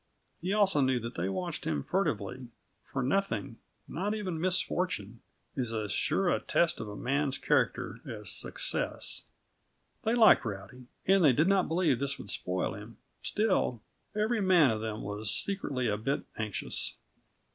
He also knew that they watched him furtively; for nothing not even misfortune is as sure a test of a man's character as success. They liked Rowdy, and they did not believe this would spoil him; still, every man of them was secretly a bit anxious.